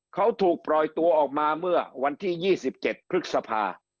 เขาถูกปล่อยตัวออกมาเมื่อวันที่๒๗ครึ่งสัปดาห์